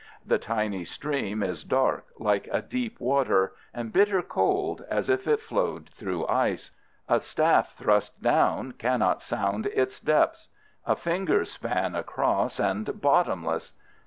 The tiny stream is dark, like a deep water, and bitter cold as if it flowed through ice. A staff thrust down cannot sound its depths. A finger's span across and bottomless!